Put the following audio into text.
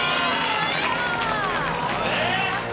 やった！